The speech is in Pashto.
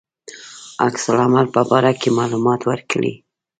عکس العمل په باره کې معلومات ورکړي.